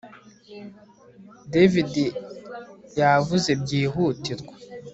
David yavuze byihutirwa